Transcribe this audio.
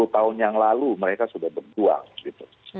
dua puluh tahun yang lalu mereka sudah berjuang gitu